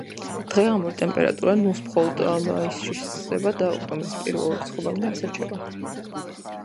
დღე-ღამური ტემპერატურა ნულს მხოლოდ მაისში სცილდება და ოქტომბრის პირველ რიცხვებამდე ასე რჩება.